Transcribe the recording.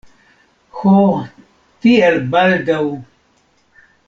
Ho, tiel baldaŭ!